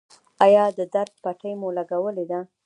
ایا د درد پټۍ مو لګولې ده؟